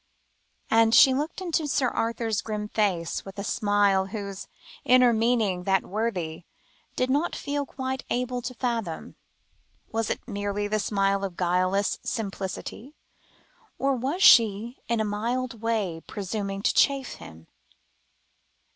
and she looked into Sir Arthur's grim face, with a smile whose inner meaning that worthy did not feel quite able to fathom. Was it merely the smile of guileless simplicity, or was she, in a mild way, presuming to chaff him?